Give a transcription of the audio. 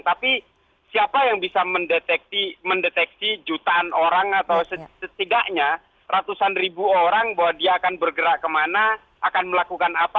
tapi siapa yang bisa mendeteksi jutaan orang atau setidaknya ratusan ribu orang bahwa dia akan bergerak kemana akan melakukan apa